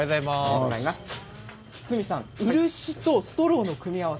堤さん、漆とストローの組み合わせ